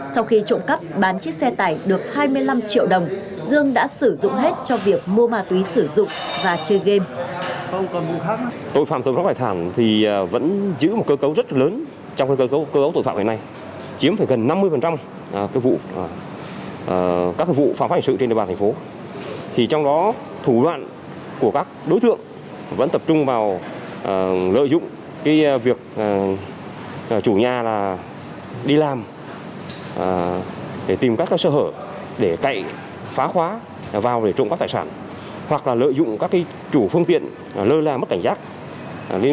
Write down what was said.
sau khi trộm cắp bán chiếc xe tải được hai mươi năm triệu đồng dương đã sử dụng hết cho việc mua ma túy sử dụng và chơi game